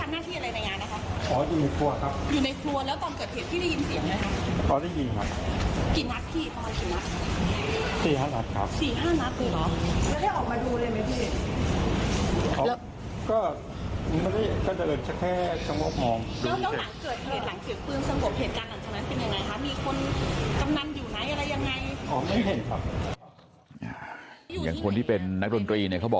มีเงินคนออกมาส่งลงพยาบาลอย่างไรครับ